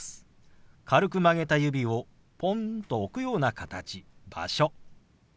軽く曲げた指をポンと置くような形「場所」。